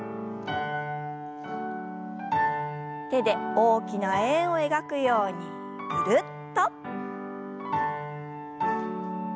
手で大きな円を描くようにぐるっと。